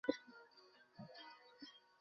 জোরে টান দে।